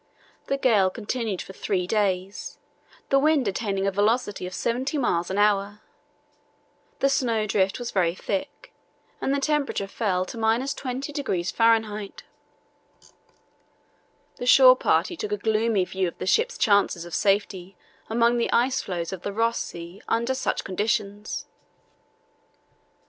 The gale continued for three days, the wind attaining a velocity of seventy miles an hour. The snowdrift was very thick and the temperature fell to –20° Fahr. The shore party took a gloomy view of the ship's chances of safety among the ice floes of the Ross Sea under such conditions.